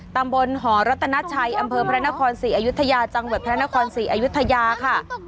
ตำบลหอรัตนาชัยอำเภอพระนครศรีอยุธยาจังหวัดพระนครศรีอยุธยาค่ะ